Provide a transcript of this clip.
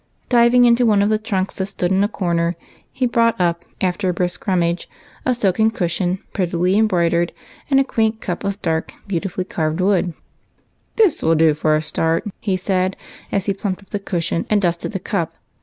Diving into one of the trunks that stood in a corner, he brought up, after a brisk rummage, a silken cushion, prettily embroidered, and a quaint cup of dark carved wood. " This will do for a start," he said, as he plumped up the cushion and dusted the cup.